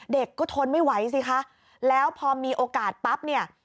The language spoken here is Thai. เด็กก็ทนไม่ไหวสิคะแล้วพอมีโอกาสปั๊บเนี่ย